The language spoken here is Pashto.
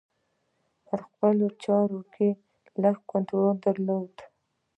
پر خپلو چارو یې لږ کنترول درلود.